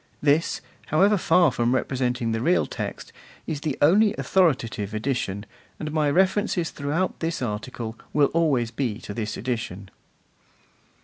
This, however far from representing the real text, is the only authoritative edition, and my references throughout this article will always be to this edition.